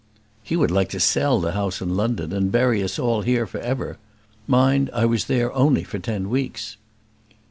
"He would like to sell the house in London, and bury us all here for ever. Mind, I was there only for ten weeks."